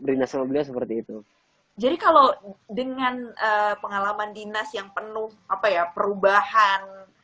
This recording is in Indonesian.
dinas mobilnya seperti itu jadi kalau dengan pengalaman dinas yang penuh apa ya perubahan